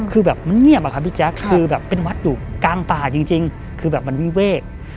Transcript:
นกคือแบบเงียบอ่ะค่ะคือเป็นวัดอยู่กลางป่าจริงคือมันมีเวข